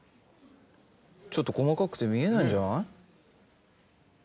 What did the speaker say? ちょっと細かくて見えないんじゃない？